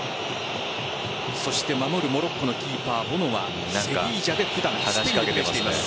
守るモロッコのキーパーボノはセヴィージャで普段プレーしています。